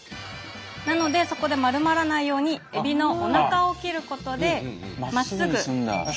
なのでそこで丸まらないようにエビのおなかを切ることでまっすぐ。